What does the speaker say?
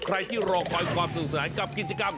ใครที่รอคอยความสนุกสนานกับกิจกรรม